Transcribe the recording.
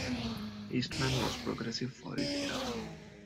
Eastman was progressive for his era.